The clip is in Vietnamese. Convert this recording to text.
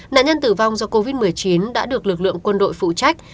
nạn nhân tử vong do covid một mươi chín đã được lực lượng quân đội phụ trách